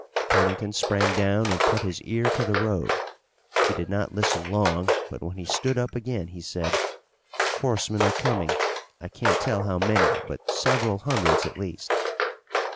Pennington sprang down and put his ear to the road. He did not listen long, but when he stood up again he said: "Horsemen are coming. I can't tell how many, but several hundreds at least."